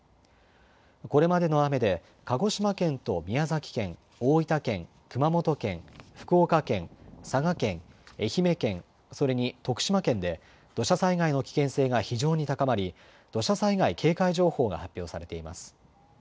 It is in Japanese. これまでの雨で鹿児島県と宮崎県、大分県、熊本県、福岡県、佐賀県、愛媛県、それに徳島県で土砂災害の危険性が非常に高まり、土砂災害警戒情報が発表されています。